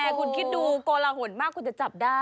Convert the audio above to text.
แม่คุณคิดดูมันโกล่าหละหนมากจะจับได้